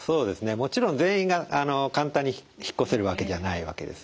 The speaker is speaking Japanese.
もちろん全員が簡単に引っ越せるわけじゃないわけです。